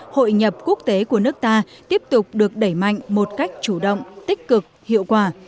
hội nhập quốc tế của nước ta tiếp tục được đẩy mạnh một cách chủ động tích cực hiệu quả